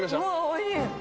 おいしい。